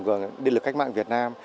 của địa lực cách mạng việt nam